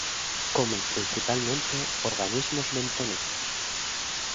Come principalmente organismos bentónicos.